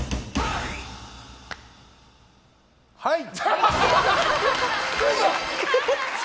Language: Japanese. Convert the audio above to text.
はい。